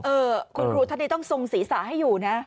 เออคุณครูท่านนี้ต้องทรงศีรษะให้อยู่นะ